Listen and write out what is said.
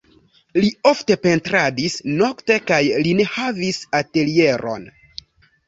Li ofte pentradis nokte kaj li ne havis atelieron.